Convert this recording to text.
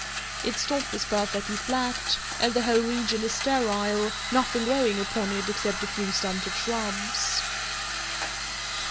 Its top is perfectly flat, and the whole region is sterile, nothing growing upon it except a few stunted shrubs.